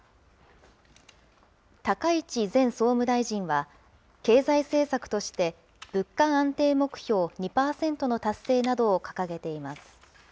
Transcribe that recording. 高市前総務大臣は、経済政策として、物価安定目標２％の達成などを掲げています。